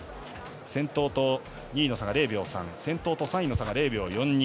先頭と２位の差が０秒３先頭と３位の差が０秒４２。